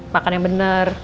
makan yang benar